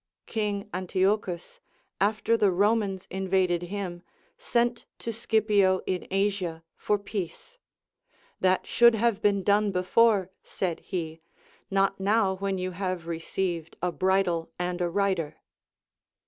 King Antiochus, after the Romans invaded him, sent to Scipio in Asia for peace ; That should have been done before, said he, not now Avhen you have received a bridle and a rider.